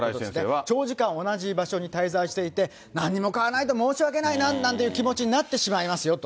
長時間同じ場所に滞在していて、何も買わないと申し訳ないななんて気持ちになってしまいますよと。